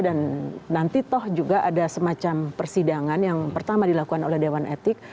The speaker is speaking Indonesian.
dan nanti toh juga ada semacam persidangan yang pertama dilakukan oleh dewan etik